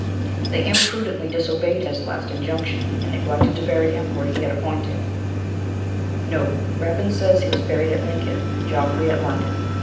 They imprudently disobeyed this last injunction, and neglected to bury him where he had appointed.* * Rapin says he was buried at Lincoln; Geoffrey, at London.